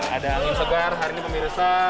ada angin segar hari ini pemirsa